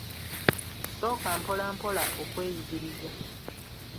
Sooka mpolampola okweyigiriza.